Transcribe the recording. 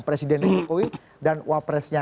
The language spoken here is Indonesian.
presiden jokowi dan wapresnya